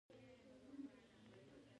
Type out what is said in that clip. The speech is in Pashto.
تذکره په لغت کښي یاداشت او ژوند لیک ته وايي.